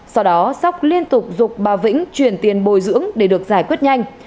sau đó sóc liên tục bà vĩnh chuyển tiền bồi dưỡng để được giải quyết nhanh